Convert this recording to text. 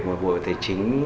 một buổi tài chính